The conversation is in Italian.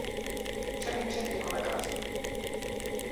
C'è un incendio in una casa.